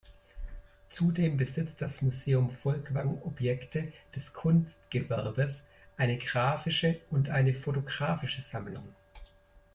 Zudem besitzt das Museum Folkwang Objekte des Kunstgewerbes, eine graphische und eine photographische Sammlung.